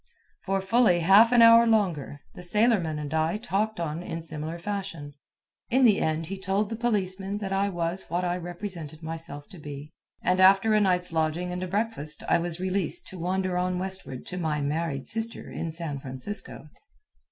For fully half an hour longer, the sailorman and I talked on in similar fashion. In the end he told the policemen that I was what I represented myself to be, and after a night's lodging and a breakfast I was released to wander on westward to my married sister in San Francisco.